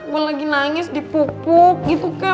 gue lagi nangis dipukuk gitu kek